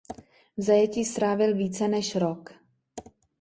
V zajetí strávil více než rok.